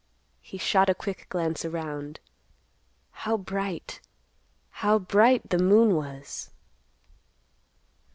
He shot a quick glance around. How bright—how bright the moon was!